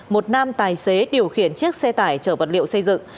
một nam tài xế điều khiển chiếc xe tải chở vật liệu xây dựng